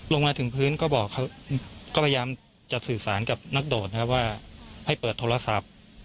ลงมาถึงพื้นก็บอกเขาก็พยายามจะสื่อสารกับนักโดดนะครับว่าให้เปิดโทรศัพท์